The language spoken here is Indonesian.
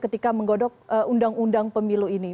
ketika menggodok undang undang pemilu ini